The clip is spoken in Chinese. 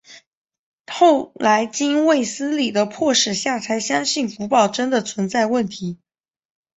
后来经卫斯理的迫使下才相信古堡真的存在问题。